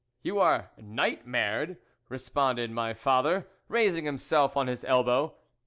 "You are nightmared?" responded my father, raising himself on his elbow.